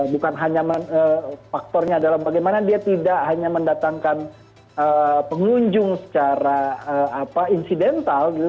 bukan hanya faktornya adalah bagaimana dia tidak hanya mendatangkan pengunjung secara insidental gitu